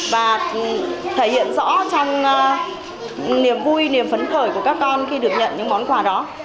và thể hiện rõ trong niềm vui niềm phấn khởi của các con khi được nhận những món quà đó